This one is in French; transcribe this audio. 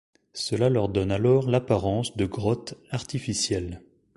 Cela leur donne alors l'apparence de grottes artificielles.